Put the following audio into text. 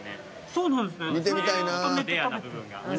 そうなんですね。